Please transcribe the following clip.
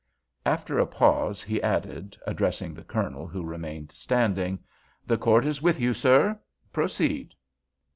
After a pause he added, addressing the Colonel, who remained standing, "The Court is with you, sir; proceed."